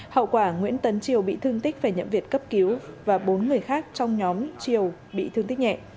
hậu quả nguyễn tấn triều bị thương tích phải nhậm việt cấp cứu và bốn người khác trong nhóm triều bị thương tích nhẹ